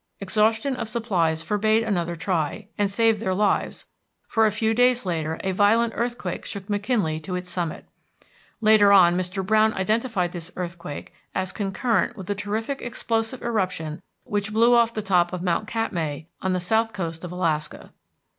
Exhaustion of supplies forbade another try, and saved their lives, for a few days later a violent earthquake shook McKinley to its summit. Later on Mr. Browne identified this earthquake as concurrent with the terrific explosive eruption which blew off the top of Mount Katmai, on the south coast of Alaska.